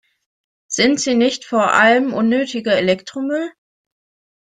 Sind sie nicht vor allem unnötiger Elektromüll?